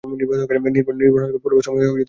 নির্ভয়, নির্ভয়ানন্দ পূর্বাশ্রমের নাম কানাই সেন।